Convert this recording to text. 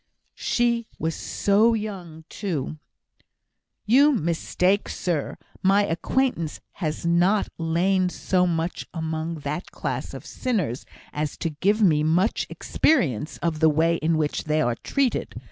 She was so young, too." "You mistake, sir; my acquaintance has not lain so much among that class of sinners as to give me much experience of the way in which they are treated.